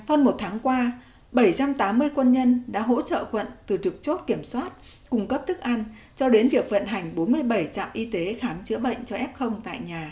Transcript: hơn một tháng qua bảy trăm tám mươi quân nhân đã hỗ trợ quận từ thực chốt kiểm soát cung cấp thức ăn cho đến việc vận hành bốn mươi bảy trạm y tế khám chữa bệnh cho f tại nhà